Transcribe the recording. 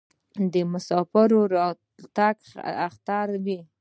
د مسافر راتګ اختر وي.